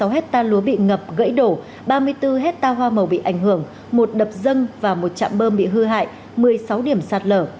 một trăm hai mươi sáu hectare lúa bị ngập gãy đổ ba mươi bốn hectare hoa màu bị ảnh hưởng một đập dâng và một chạm bơm bị hư hại một mươi sáu điểm sạt lở